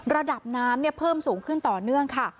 ระดับน้ำเพิ่มสูงขึ้นต่อเนื่องค่ะ